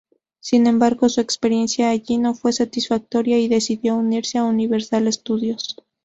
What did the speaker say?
Sin embargo, su experiencia allí no fue satisfactoria y decidió unirse a Universal Studios.